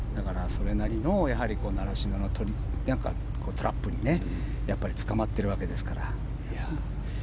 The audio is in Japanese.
それなりの習志野のトラップにつかまっているわけですから。